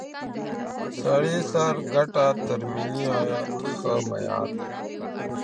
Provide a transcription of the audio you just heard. سړي سر ګټه تر ملي عاید ښه معیار دی.